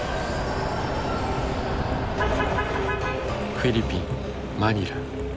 フィリピン・マニラ。